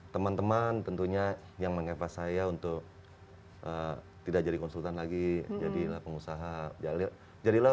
teman teman tentunya yang mengeva saya untuk tidak jadi konsultan lagi jadilah pengusaha jalil jadilah